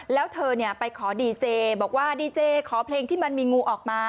แล้วเธอไปขอดีเจบอกว่าดีเจขอเพลงที่มันมีงูออกมา